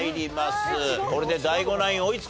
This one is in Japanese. これでＤＡＩＧＯナイン追いつくのか